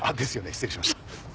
失礼しました。